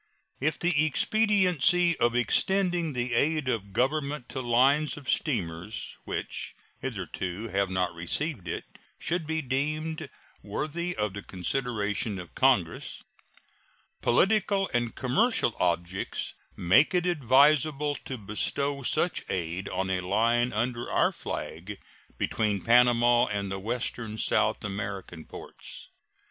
If the expediency of extending the aid of Government to lines of steamers which hitherto have not received it should be deemed worthy of the consideration of Congress, political and commercial objects make it advisable to bestow such aid on a line under our flag between Panama and the western South American ports.